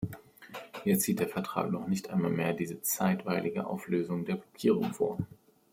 Jetzt sieht der Vertrag noch nicht einmal mehr diese zeitweilige Auflösung der Blockierung vor.